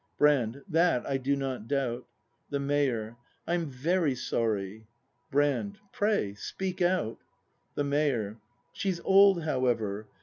Brand. That I do not doubt. The Mayor. I'm very sorry. Brand. Pray, speak out. The Mayor. She's old, however.